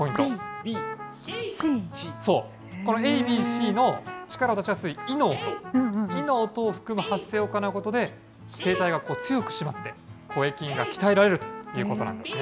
そう、このえい、びい、しいの力を出しやすい、いの音、いの音を含む発声を行うことで、声帯が強く締まって声筋が鍛えられるということなんですね。